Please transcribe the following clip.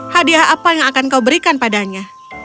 hadiah apa yang akan kau berikan padanya